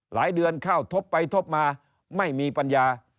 หลายเดือนเข้าทบไปทบมาไม่มีปัญญา